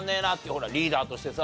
ほらリーダーとしてさ。